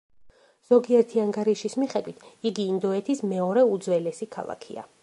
ზოგიერთი ანგარიშის მიხედვით, იგი ინდოეთის მეორე უძველესი ქალაქია.